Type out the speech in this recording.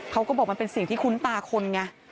เขาก็บอกมันเป็นสิ่งที่คุ้นตาคนไง